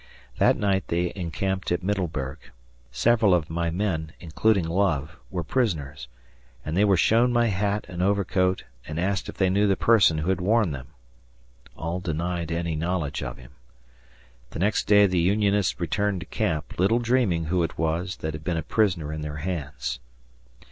That night they encamped at Middleburg. Several of my men, including Love, were prisoners, and they were shown my hat and overcoat and asked if they knew the person who had worn them. All denied any knowledge of him. The next day the Unionists returned to camp, little dreaming who it was that had been a prisoner in their hands.